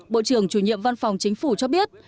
bộ trưởng chủ nhiệm văn phòng chính phủ cho biết